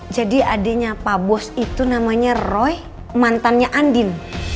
jadi adiknya pak bos itu namanya roy mantannya andin